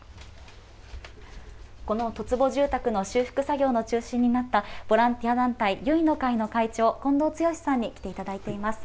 この十坪住宅の修復作業の中心になった、ボランティア団体ゆいの会の会長、近藤剛さんに来ていただいています。